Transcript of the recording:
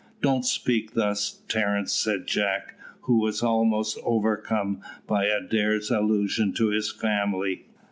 "Don't speak thus, Terence," said Jack, who was almost overcome by Adair's allusion to his family.